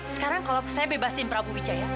sekarang kalau saya bebasin prabu wijaya